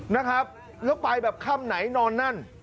นะครับแล้วไปแบบค่ำไหนนอนนั่น